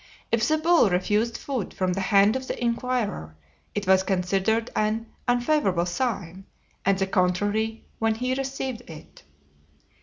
If the bull refused food from the hand of the inquirer it was considered an unfavorable sign, and the contrary when he received it.